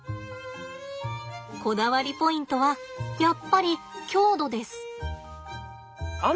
こだわりポイントはやっぱり強度です。